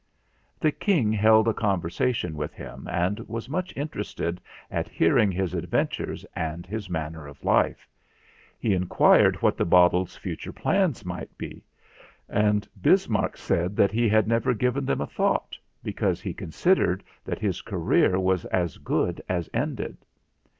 The King held a conversation with him, and was much interested at hearing his adventures and his manner of life. He inquired what the bottle's future plans might be and Bismarck said that he had never given them a thought because he considered that his career was as good as ended.